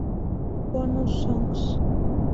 Bonus Songs